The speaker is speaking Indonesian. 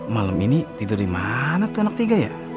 malam ini tidur dimana tuh anak tiga ya